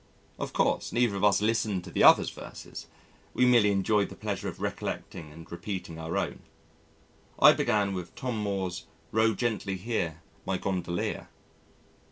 Of course neither of us listened to the other's verses. We merely enjoyed the pleasure of recollecting and repeating our own. I began with Tom Moore's "Row gently here, my Gondolier."